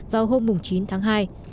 vào hôm chín tháng hai